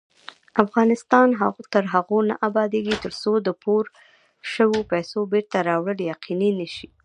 افغانستان تر هغو نه ابادیږي، ترڅو د پورې شوو پیسو بېرته راوړل یقیني نشي.